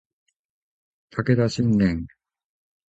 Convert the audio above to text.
武田信玄